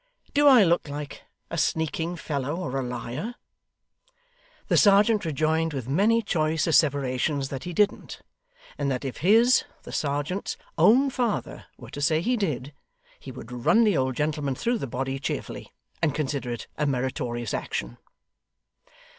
Do I look like a sneaking fellow or a liar?' The serjeant rejoined with many choice asseverations that he didn't; and that if his (the serjeant's) own father were to say he did, he would run the old gentleman through the body cheerfully, and consider it a meritorious action.